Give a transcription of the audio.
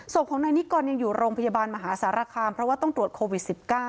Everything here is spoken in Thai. ศพของนายนิกรยังอยู่โรงพยาบาลมหาสารคามเพราะว่าต้องตรวจโควิด๑๙